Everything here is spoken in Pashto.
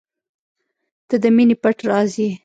• ته د مینې پټ راز یې.